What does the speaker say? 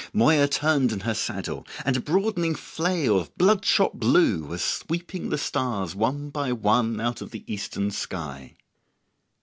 Moya turned in her saddle, and a broadening flail of bloodshot blue was sweeping the stars one by one out of the eastern sky.